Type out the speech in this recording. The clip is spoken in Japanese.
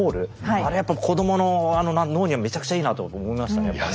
あれはやっぱ子供の脳にはめちゃくちゃいいなと思いましたねやっぱね。